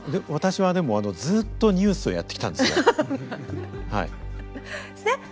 私はでもずっとニュースをやってきたんですよ。